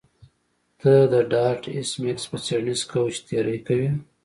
ته د ډارت ایس میکس په څیړنیز کوچ تیری کوې